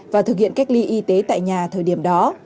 và thực hiện cách ly y tế tại nhà thời điểm đó